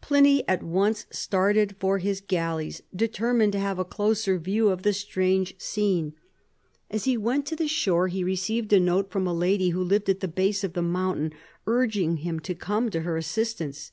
Pliny at once started for his galleys, determined to have a closer view of the strange scene. As he went to the shore he received a note from a lady who lived at the base of the mountain, urging him to come to her assistance.